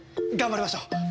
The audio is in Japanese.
頑張りましょう。